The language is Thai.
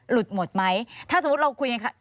หลุดหมดไหมถ้าสมมติเราคุย